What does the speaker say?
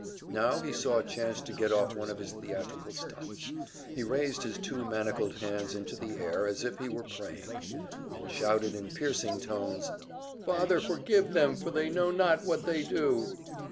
Now he saw a chance to get off one of his theatrical stunts; he raised his two manacled hands into the air as if he were praying, and shouted in piercing tones: "Father, forgive them, for they know not what they do!"